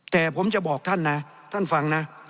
แต่ผมจะบอกท่านนะท่านฟังนะ